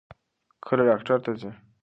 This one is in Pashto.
کله ډاکټر ته ځې؟